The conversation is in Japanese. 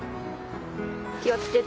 気を付けて。